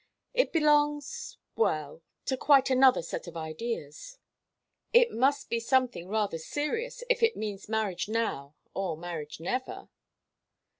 It belongs well to quite another set of ideas." "It must be something rather serious if it means marriage now, or marriage never."